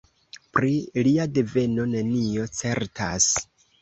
Pri lia deveno nenio certas.